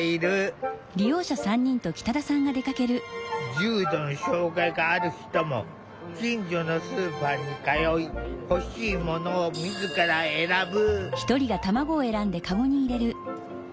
重度の障害がある人も近所のスーパーに通い欲しいものを自ら選ぶ。